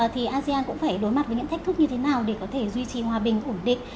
thì asean cũng phải đối mặt với những thách thức như thế nào để có thể duy trì hòa bình ổn định